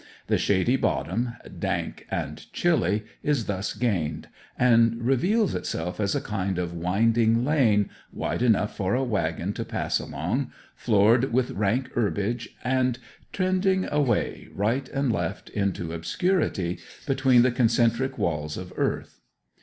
The shady bottom, dank and chilly, is thus gained, and reveals itself as a kind of winding lane, wide enough for a waggon to pass along, floored with rank herbage, and trending away, right and left, into obscurity, between the concentric walls of earth.